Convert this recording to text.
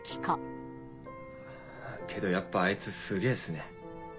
けどやっぱあいつすげぇっすね。